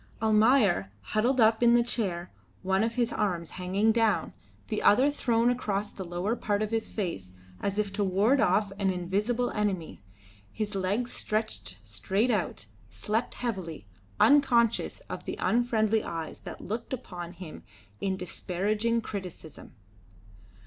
Almayer, huddled up in the chair, one of his arms hanging down, the other thrown across the lower part of his face as if to ward off an invisible enemy, his legs stretched straight out, slept heavily, unconscious of the unfriendly eyes that looked upon him in disparaging criticism.